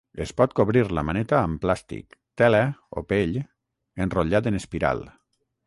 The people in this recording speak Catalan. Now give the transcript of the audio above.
Es pot cobrir la maneta amb plàstic, tela o pell enrotllat en espiral.